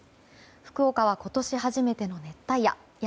福岡は今年初めての熱帯夜。